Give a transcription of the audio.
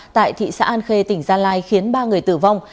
tại thị xã an khê tỉnh gia lai khiến ba người tử vong